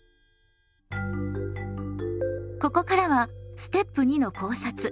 ここからはステップ２の考察。